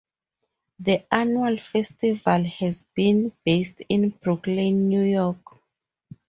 The annual festival has been based in Brooklyn, New York.